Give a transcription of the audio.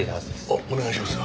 あっお願いします。